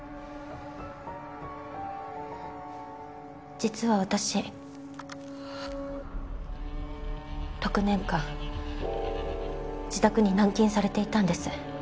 実は私６年間自宅に軟禁されていたんです。